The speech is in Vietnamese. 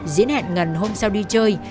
diễn hẹn ngân hôm sau đi chơi